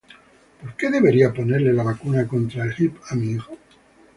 ¿Por qué debería ponerle la vacuna contra el Hib a mi hijo?